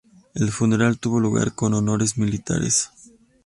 El funeral tuvo lugar con honores militares.